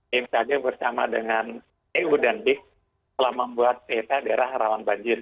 bmkg bersama dengan eu dan bis telah membuat peta daerah rawan banjir